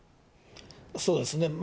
そうですね。